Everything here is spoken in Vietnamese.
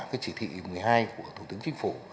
cái chỉ thị một mươi hai của thủ tướng chính phủ